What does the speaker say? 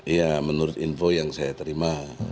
ya menurut info yang saya terima